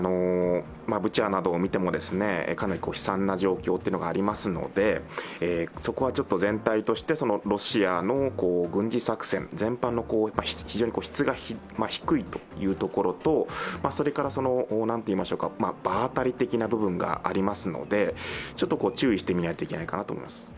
ブチャなどを見てもかなり悲惨な状況がありますのでそこは全体としてロシアの軍事作戦全般の質が低いというところと、それから場当たり的な部分がありますので注意してみないといけないと思います。